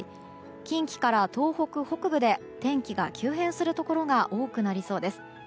近畿から東北北部で天気が急変するところが多くなりそうです。